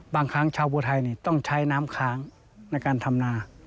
บางครั้งชาวบัวไทยต้องใช้น้ำค้างในการทำนา